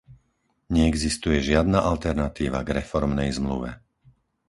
Neexistuje žiadna alternatíva k reformnej zmluve.